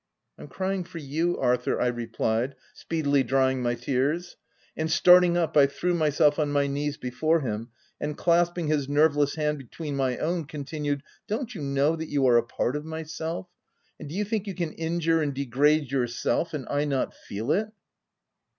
9 " I'm crying for you Arthur/' I replied, speedily drying my tears ; and starting up, I threw myself on my knees before him, and, clasping his nerveless hand between my own, continued :" Don't you know that you are a part of myself? And do you think you can injure and degrade yourself, and I not feel it